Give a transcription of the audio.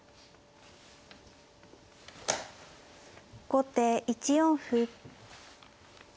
後手１四歩。